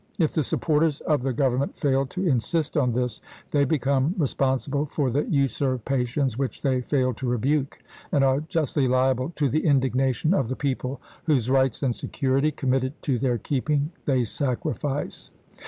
If the supporters of the Gov ernment fail to insist on this they become respon sible for the usurpations which they fail to rebuke, and are justly liable to the indignation of the people whose rights and security, committed to their keeping, they sacrifice.